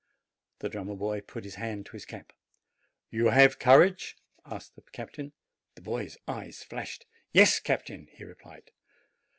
The drummer boy put his hand to his cap. 'You have courage?" asked the captain. The boy's eyes flashed. 'Yes, captain," he replied.